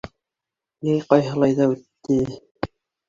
Йәй ҡайһылай ҙа үтте.